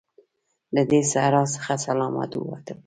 له دې صحرا څخه سلامت ووتلو.